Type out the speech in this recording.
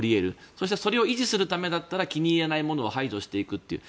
そしてそれを維持するためだったら気に入らないものは排除していくという。